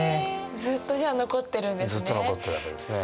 ずっと残ってるわけですね。